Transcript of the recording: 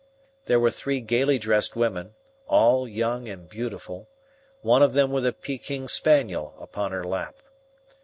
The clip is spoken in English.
There were three gaily dressed women, all young and beautiful, one of them with a Peking spaniel upon her lap.